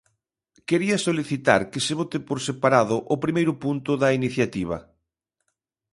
Quería solicitar que se vote por separado o primeiro punto da iniciativa.